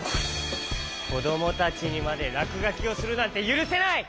こどもたちにまでらくがきをするなんてゆるせない！